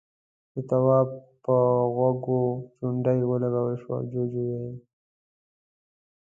د تواب په غوږ چونډۍ ولګول شوه، جُوجُو وويل: